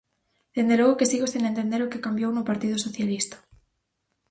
Dende logo que sigo sen entender o que cambiou no Partido Socialista.